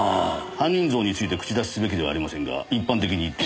犯人像について口出しすべきではありませんが一般的に言って。